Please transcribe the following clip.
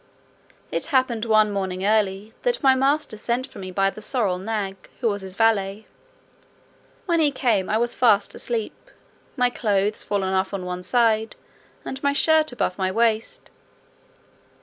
It happened, one morning early, that my master sent for me by the sorrel nag, who was his valet. When he came I was fast asleep, my clothes fallen off on one side, and my shirt above my waist.